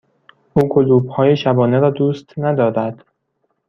او کلوپ های شبانه را دوست ندارد.